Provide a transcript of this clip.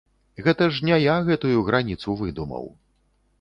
Гэта ж не я гэтую граніцу выдумаў.